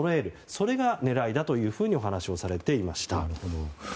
それが狙いだとお話をされていました。